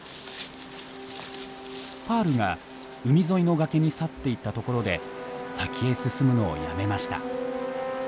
パールが海沿いの崖に去っていったところで先へ進むのをやめました。